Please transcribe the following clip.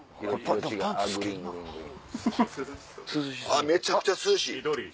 あっめちゃくちゃ涼しい。